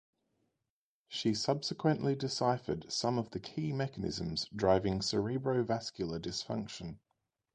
She subsequently deciphered some of the key mechanisms driving cerebrovascular dysfunction.